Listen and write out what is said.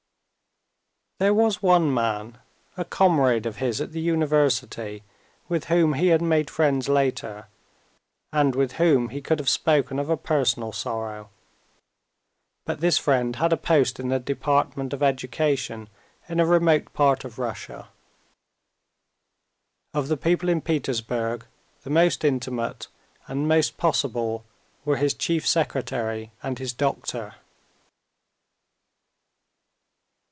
There was one man, a comrade of his at the university, with whom he had made friends later, and with whom he could have spoken of a personal sorrow; but this friend had a post in the Department of Education in a remote part of Russia. Of the people in Petersburg the most intimate and most possible were his chief secretary and his doctor.